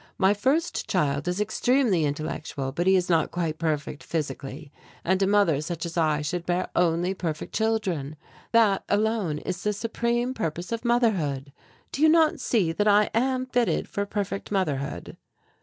My first child is extremely intellectual but he is not quite perfect physically, and a mother such as I should bear only perfect children. That alone is the supreme purpose of motherhood. Do you not see that I am fitted for perfect motherhood?"